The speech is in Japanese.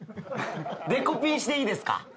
デコピンしていいですか？